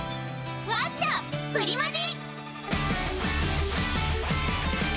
ワッチャプリマジ！